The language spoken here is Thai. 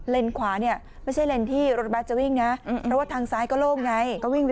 เลนควาไม่ใช่เลนที่รถบัตรจะวิ่งนะแต่ว่าทางซ้ายก็โลกไง